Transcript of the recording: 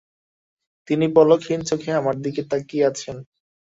তিনি পলকহীন চোখে আমার দিকেই তাকিয়ে আছেন।